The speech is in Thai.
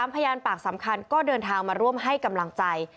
พยานปากสำคัญก็เดินทางมาร่วมให้กำลังใจ